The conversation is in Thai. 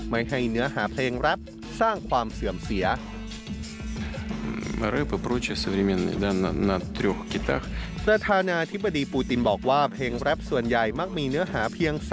ไม่ให้เนื้อหาเพลงแรปสร้างความเสื่อมเสีย